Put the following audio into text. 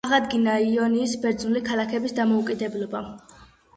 აღადგინა იონიის ბერძნული ქალაქების დამოუკიდებლობა.